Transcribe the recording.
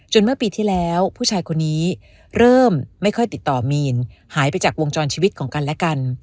เมื่อปีที่แล้วผู้ชายคนนี้เริ่มไม่ค่อยติดต่อมีนหายไปจากวงจรชีวิตของกันและกัน